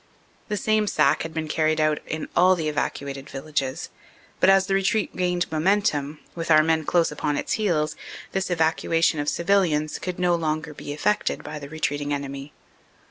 The same sack had been carried out in all the evacuated villages, but as the retreat gained momentum, with our men close upon its heels, this evacuation of civilians could no THE ADVANCE ON DENAIN 337 longer be effected by the retreating enemy.